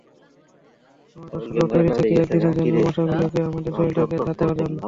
আমরা দর্শকরাও তৈরি থাকি একদিনের জন্য মশাগুলোকে আমাদের শরীরটাকে ধার দেবার জন্য।